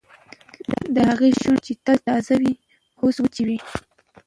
د هغې شونډې چې تل تازه وې اوس وچې وې